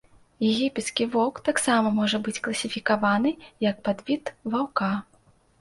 Егіпецкі воўк таксама можа быць класіфікаваны як падвід ваўка.